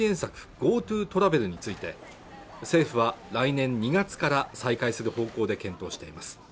ＧｏＴｏトラベルについて政府は来年２月から再開する方向で検討しています